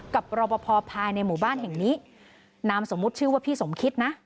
รอปภภายในหมู่บ้านแห่งนี้นามสมมุติชื่อว่าพี่สมคิดนะ